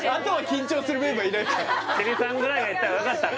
千里さんぐらいが行ったらよかったか